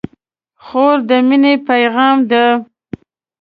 خور د مینې پیغام ده.